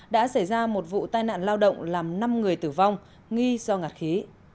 đã xảy ra một vụ tai nạn lao động làm năm người tử vong nghi do ngạt khí